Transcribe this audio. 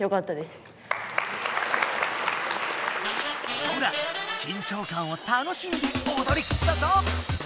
ソラ緊張感を楽しんでおどりきったぞ！